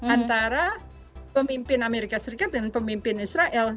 antara pemimpin amerika serikat dan pemimpin israel